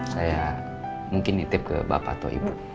saya mungkin nitip ke bapak atau ibu